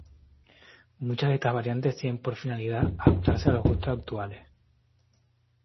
Muchas de estas variantes tienen por finalidad adaptarse a los gustos actuales.